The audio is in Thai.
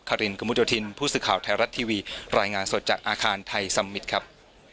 รินกระมุดโยธินผู้สื่อข่าวไทยรัฐทีวีรายงานสดจากอาคารไทยสัมมิตรครับ